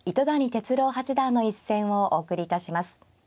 哲郎八段の一戦をお送りいたします。